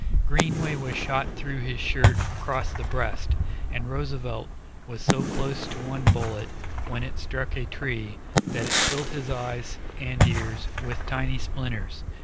Greenway was shot through this shirt across the breast, and Roosevelt was so close to one bullet, when it struck a tree, that it filled his eyes and ears with tiny splinters.